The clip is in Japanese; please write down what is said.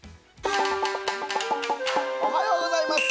◆おはようございます。